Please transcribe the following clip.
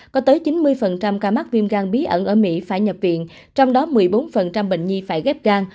có tới chín mươi ca mắc viêm gan bí ẩn ở mỹ phải nhập viện trong đó một mươi bốn bệnh nhi phải ghép gan